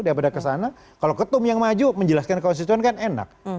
daripada kesana kalau ketum yang maju menjelaskan ke konstituen kan enak